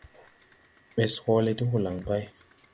Ɓɛs hɔɔle ti holaŋ ɓay.